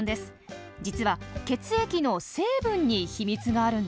実は血液の成分に秘密があるんです。